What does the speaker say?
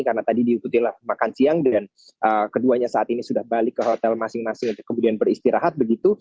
karena tadi diikuti makan siang dan keduanya saat ini sudah balik ke hotel masing masing kemudian beristirahat begitu